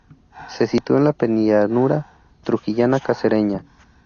Se sitúa en la penillanura trujillana cacereña.